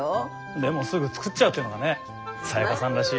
でもすぐ作っちゃうっていうのがねサヤカさんらしい。